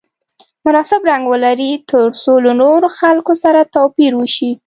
مناسب رنګ ولري ترڅو له نورو خلکو سره توپیر وشي.